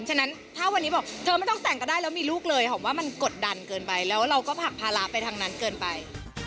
ฉะนั้นถ้าวันนี้บอกเธอไม่ต้องแต่งก็ได้แล้วมีลูกเลยหอมว่ามันกดดันเกินไปแล้วเราก็ผลักภาระไปทางนั้นเกินไป